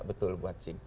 betul buat sim